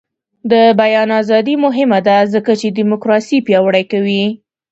د بیان ازادي مهمه ده ځکه چې دیموکراسي پیاوړې کوي.